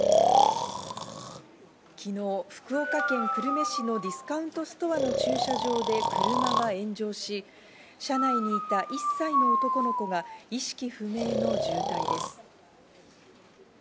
昨日、福岡県久留米市のディスカウントストアの駐車場で車が炎上し、車内にいた１歳の男の子が意識不明の重体です。